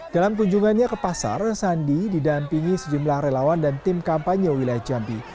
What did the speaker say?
dalam kunjungannya ke pasar sandi didampingi sejumlah relawan dan tim kampanye wilayah jambi